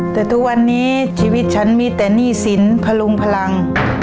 แต่ทุกวันนี้ชีวิตฉันมีแต่หนี้สินพลุงพลัง